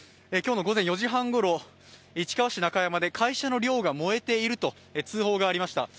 今日の午前４時半ごろ市川市中山で会社の寮が燃えていると通報がありました。